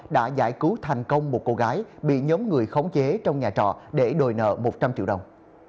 đã giải cứu thành công một cô gái bị nhóm người khống chế trong nhà trọ để đòi nợ một trăm linh triệu đồng